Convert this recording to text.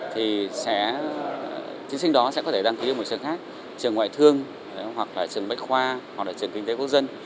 thì thí sinh đó sẽ có thể đăng ký ở một trường khác trường ngoại thương hoặc là trường bách khoa hoặc là trường kinh tế quốc dân